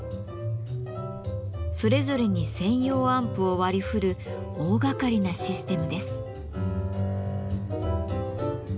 それぞれに専用アンプを割り振る大がかりなシステムです。